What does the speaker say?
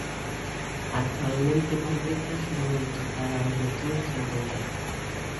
Actualmente publícase moito para os lectores de agora.